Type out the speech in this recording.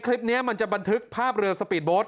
คลิปนี้มันจะบันทึกภาพเรือสปีดโบสต